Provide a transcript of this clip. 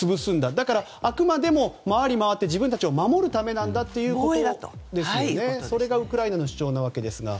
だから、あくまでも回りまわって自分たちを守るためなんだというそれがウクライナの主張なわけですが。